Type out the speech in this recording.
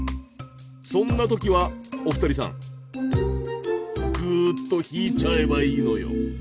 そんな時はお二人さんぐっと引いちゃえばいいのよ。